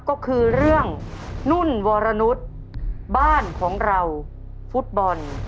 ก็คือเรื่องนุ่นวรนุษย์บ้านของเราฟุตบอล